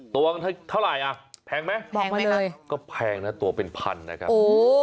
ตัวเท่าไหร่อ่ะแพงไหมแพงไปเลยก็แพงนะตัวเป็นพันนะครับ